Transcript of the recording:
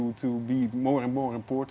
yang diperbolehkan ke dalam pemerintah